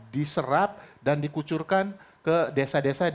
setelah menangkal kalkis limpah